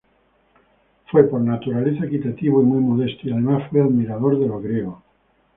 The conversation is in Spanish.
Fue por naturaleza equitativo y muy modesto, y además fue admirador de los griegos.